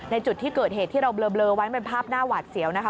จุดที่เกิดเหตุที่เราเบลอไว้เป็นภาพหน้าหวาดเสียวนะคะ